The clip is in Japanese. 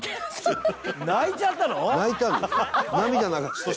「泣いちゃったの？」